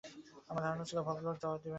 আমার ধারণা ছিল ভদ্রলোক জবাব দেবেন না।